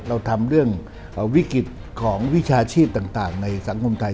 เราทำเรื่องวิกฤตของวิชาชีพต่างในสังคมไทย